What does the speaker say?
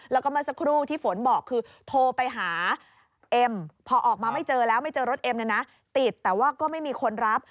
แล้วก็เมื่อสักครู่ที่ฝนบอกคือโทรไปหาเอ็มพอออกมาไม่เจอแล้วไม่เจอรถเอ็มเนี่ยนะติดแต่ว่าก็ไม่มีคนรับ